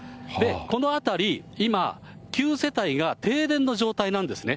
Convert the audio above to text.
この辺り、今、９世帯が停電の状態なんですね。